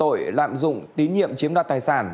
tội lạm dụng tín nhiệm chiếm đoạt tài sản